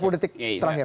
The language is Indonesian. tiga puluh detik terakhir